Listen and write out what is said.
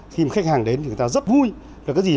khi khách hàng đến thì người ta rất vui